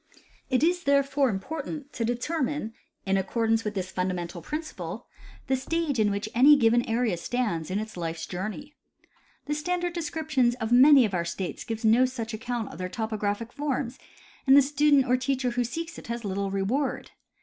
It is therefore important to determine in accordance witli this fundamental principle the stage in which any given area stands in its life's journey. The standard descriptions of many of our states gives no such account of their topographic forms, and the student or teacher who seeks it has little reward.